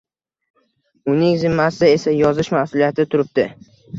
Uning zimmasida esa yozish mas`uliyati turibdi